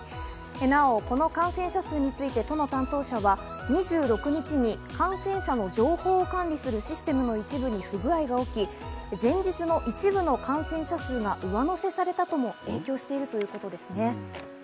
なお、この感染者数について都の担当者は２６日に、感染者の情報を管理するシステムの一部に不具合が起き、前日の一部の感染者数が上乗せされたことも影響しているということですね。